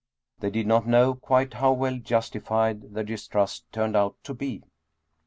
They did not know quite how well justi fied their distrust turned out to be.